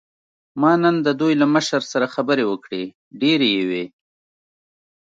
ما نن د دوی له مشر سره خبرې وکړې، ډېرې یې وې.